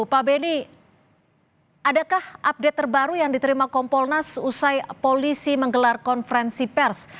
pak beni adakah update terbaru yang diterima kompolnas usai polisi menggelar konferensi pers